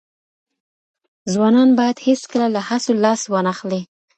ځوانان باید هیڅکله له هڅو لاس وانخلي.